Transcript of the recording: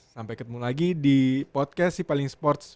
sampai ketemu lagi di podcast sipaling sports